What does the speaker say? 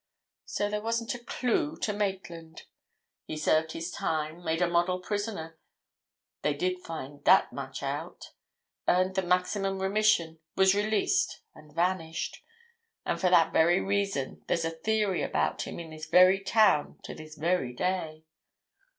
So there wasn't a clue to Maitland. He served his time—made a model prisoner—they did find that much out!—earned the maximum remission, was released, and vanished. And for that very reason there's a theory about him in this very town to this very day!"